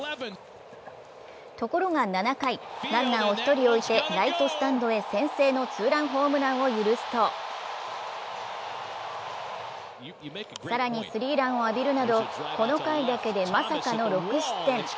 ところが７回ランナーを１人置いてライトスタンドへ先制のツーランホームランを許すと、更にスリーランを浴びるなどこの回だけで、まさかの６失点。